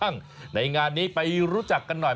ในงานนี้ไปรู้จักกันหน่อย